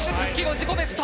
自己ベスト！